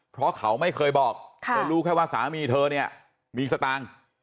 เพราะเขาไม่เคยบอกเธอรู้แค่ว่าสามีเธอเนี่ยมีสตางค์